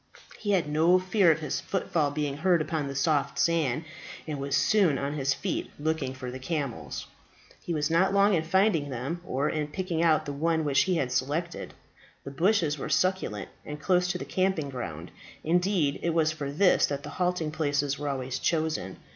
He had no fear of his footfall being heard upon the soft sand, and was soon on his feet, looking for the camels. He was not long in finding them, or in picking out the one which he had selected. The bushes were succulent, and close to the camping ground; indeed, it was for this that the halting places were always chosen.